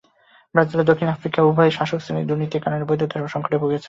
Brazil ও দক্ষিণ Africa উভয়েই শাসকশ্রেণির দুর্নীতির কারণে বৈধতার সংকটে ভুগছে।